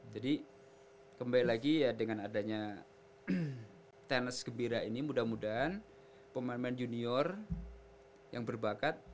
jadi kembali lagi ya dengan adanya tennis gembira ini mudah mudahan pemain pemain junior yang berbakat